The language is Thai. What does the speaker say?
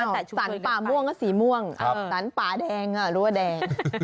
สรรป่าม่วงก็สีม่วงสรรป่าแดงก็รั้วแดง